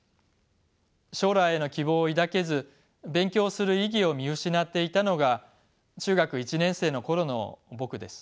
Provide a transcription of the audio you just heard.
将来への希望を抱けず勉強する意義を見失っていたのが中学１年生の頃の僕です。